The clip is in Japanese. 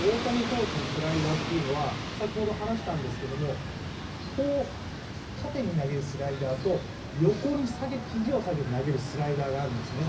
大谷投手のスライダーは縦に投げるスライダーと横にひじを下げて投げるスライダーがあるんですね。